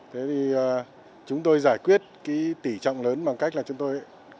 thế thì chúng tôi giải quyết cái tỉ trọng lớn bằng cách là chúng tôi